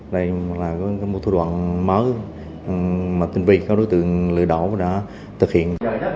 đây là một thủ đoạn mới mà tình vị các đối tượng lừa đảo đã thực hiện